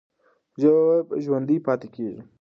ژبه به ژوندۍ پاتې کېږي.